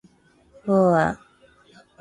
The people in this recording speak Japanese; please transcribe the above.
を―あ